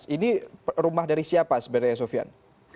ini rumah dari siapa sebenarnya sofian